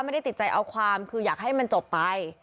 ไม่ได้ติดใจเอาความคืออยากให้มันจบไป